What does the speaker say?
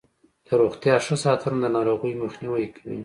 د روغتیا ښه ساتنه د ناروغیو مخنیوی کوي.